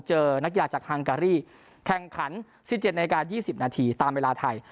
นักกีฬาจากฮังการีแข่งขัน๑๗นาที๒๐นาทีตามเวลาไทย